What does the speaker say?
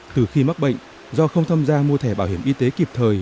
từ khi mắc bệnh do không tham gia mua thẻ bảo hiểm y tế kịp thời